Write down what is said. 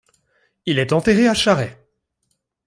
Il est enterré à Charray.